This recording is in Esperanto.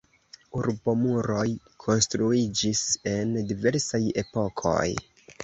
Urbomuroj konstruiĝis en diversaj epokoj.